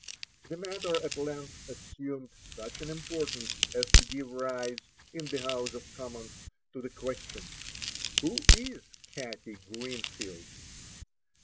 The matter at length assumed such an importance as to give rise, in the House of Commons, to the question, "Who is Katty Greenfield?"